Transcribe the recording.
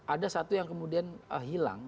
ada satu yang kemudian hilang